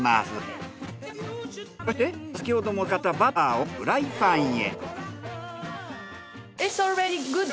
そしてこれまた先ほども使ったバターをフライパンへ。